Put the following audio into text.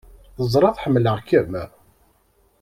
Teẓrid ḥemmleɣ-kem!